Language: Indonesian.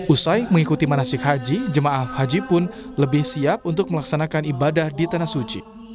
usai mengikuti manasik haji jemaah haji pun lebih siap untuk melaksanakan ibadah di tanah suci